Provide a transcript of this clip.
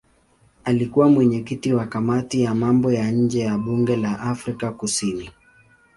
Alikuwa mwenyekiti wa kamati ya mambo ya nje ya bunge la Afrika Kusini.